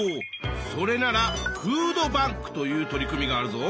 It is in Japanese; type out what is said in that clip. それならフードバンクという取り組みがあるぞ。